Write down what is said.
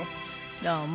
どうも。